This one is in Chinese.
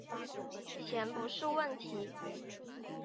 钱不是问题